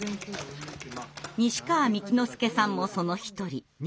西川幹之佑さんもその一人。